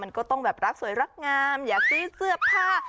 มันก็ต้องแบบรักสวยรักงามอยากซื้อเสื้อผ้า